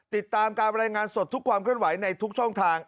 ติดตามการรายงานสดทุกความเคลื่อนไหวในทุกช่องทาง